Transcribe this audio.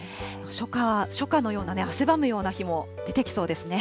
初夏のようなね、汗ばむような日も出てきそうですね。